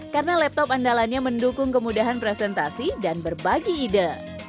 karena laptop andalannya mendukung kemudahan presentasi dan berbagi ide